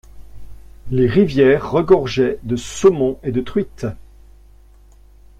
Les rivières regorgeaient de saumon et de truites.